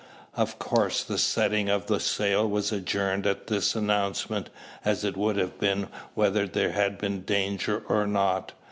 Of course the setting of the sail was adjourned at this announcement; as it would have been, whether there had been danger or not.